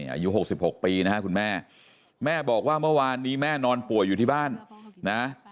อายุ๖๖ปีนะฮะคุณแม่แม่บอกว่าเมื่อวานนี้แม่นอนป่วยอยู่ที่บ้านนะ